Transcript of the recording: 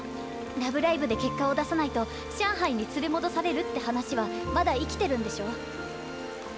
「ラブライブ！」で結果を出さないと上海に連れ戻されるって話はまだ生きてるんでしょ。